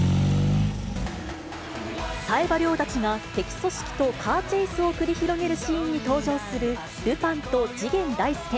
冴羽りょうたちが敵組織とカーチェイスを繰り広げるシーンに登場する、ルパンと次元大介。